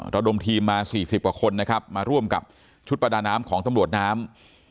ระดมทีมมา๔๐กว่าคนนะครับมาร่วมกับชุดประดาน้ำของตำรวจน้ำ